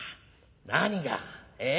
何が？えっ？